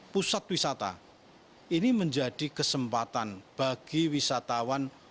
pusat wisata ini menjadi kesempatan bagi wisatawan